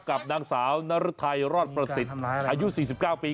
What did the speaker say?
กับนางสาวนรไทยรอดประสิทธิ์อายุ๔๙ปี